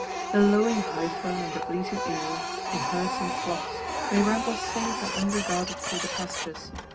The lowing heifer and the bleating ewe, in herds and flocks, may ramble safe and unregarded through the pastures.